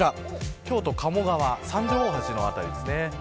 こちら京都、鴨川、三条大橋の辺りです